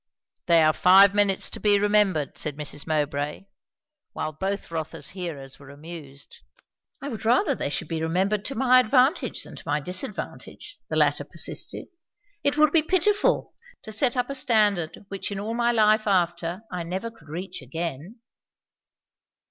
"They are five minutes to be remembered," said Mrs. Mowbray, while both Rotha's hearers were amused. "I would rather they should be remembered to my advantage than to my disadvantage," the latter persisted. "It would be pitiful, to set up a standard which in all my life after I never could reach again."